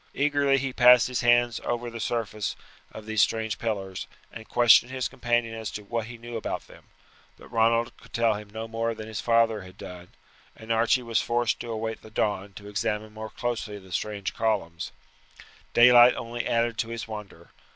Eagerly he passed his hands over the surface of these strange pillars, and questioned his companion as to what he knew about them; but Ronald could tell him no more than his father had done, and Archie was forced to await the dawn to examine more closely the strange columns. Daylight only added to his wonder.